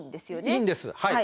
いいんですはい。